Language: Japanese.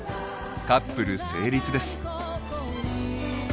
カップル成立です。